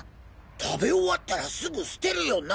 食べ終わったらすぐ捨てるよな！